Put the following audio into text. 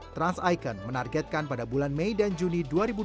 trans icon menargetkan pada bulan mei dan juni dua ribu dua puluh